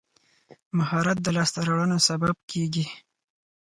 مهارت د لاسته راوړنو سبب کېږي.